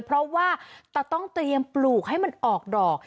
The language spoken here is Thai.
เพราะว่าจะต้องเตรียมปลูกให้มันออกดอก